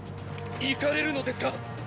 行かれるのですか